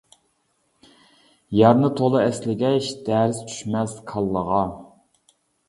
يارنى تولا ئەسلىگەچ، دەرس چۈشمەس كاللىغا.